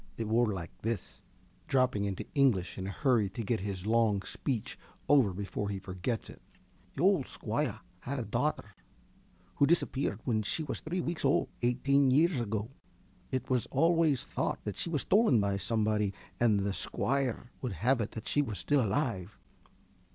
It wor like this. (Dropping into English, in his hurry to get his long speech over before he forgets it.) The old Squire had a daughter who disappeared when she was three weeks old, eighteen years ago. It was always thought she was stolen by somebody, and the Squire would have it that she was still alive.